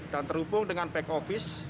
dan terhubung dengan pec office